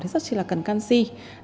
rất là cần canxi